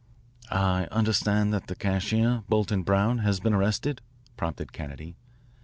"I understand that the cashier, Bolton Brown, has been arrested," prompted Kennedy.